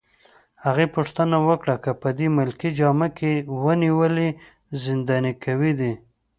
هغې پوښتنه وکړه: که په دې ملکي جامه کي ونیولې، زنداني دي کوي؟